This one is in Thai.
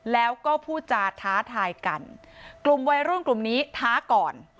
แล้วก็พูดจาท้าทายกันกลุ่มวัยรุ่นกลุ่มนี้ท้าก่อน